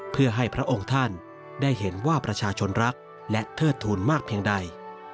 เพื่อให้พระองค์ท่านได้เห็นว่าประชาชนรักและเทิดทูลมากเพียงใด